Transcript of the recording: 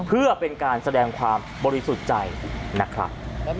เพื่อเป็นการแสดงความบริสุทธิ์ใจนะครับ